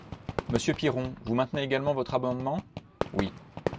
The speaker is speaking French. Monsieur Piron, vous maintenez également votre amendement ? Oui.